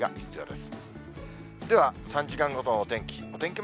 では、３時間ごとのお天気。